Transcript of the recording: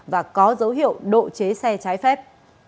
và có dấu hiệu độ chế xe trái phép